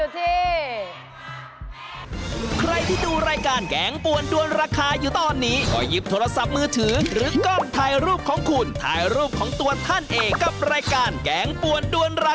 เดี๋ยวกันเอาถังครอบหัวเลยนะพี่นะ